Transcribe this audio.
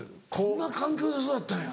どんな環境で育ったんや。